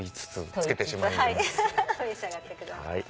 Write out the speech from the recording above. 召し上がってください。